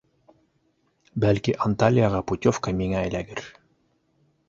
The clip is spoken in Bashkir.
Бәлки, Анталияға путевка миңә эләгер?